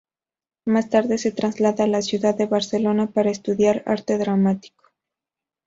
Más tarde se traslada a la ciudad de Barcelona para estudiar Arte Dramático.